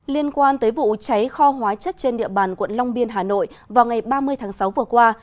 liên quan tới vụ cháy kho hóa chất trên địa bàn quận long biên hà nội vào ngày ba mươi tháng sáu vừa qua